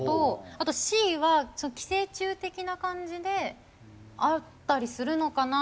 あとＣは寄生虫的な感じであったりするのかなって思って。